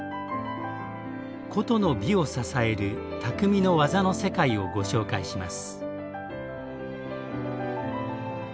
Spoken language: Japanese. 古都の美を支える「匠の技の世界」をご紹介します。